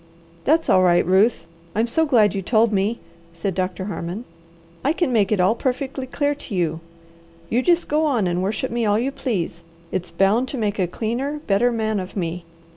"That's all right, Ruth, I'm so glad you told me," said Doctor Harmon. "I can make it all perfectly clear to you. You just go on and worship me all you please. It's bound to make a cleaner, better man of me.